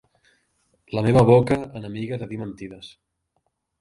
La meva boca, enemiga de dir mentides.